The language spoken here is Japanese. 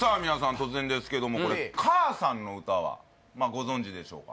突然ですけども「かあさんの歌」はご存じでしょうか？